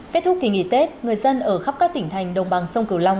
kết thúc kỳ nghỉ tết người dân ở khắp các tỉnh thành đồng bằng sông cửu long